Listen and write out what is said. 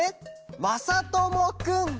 まさともくん！」。